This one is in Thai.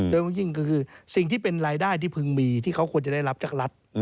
โดยบางยิ่งก็คือสิ่งที่เป็นรายได้ที่พึงมีที่เขาควรจะได้รับจากรัฐ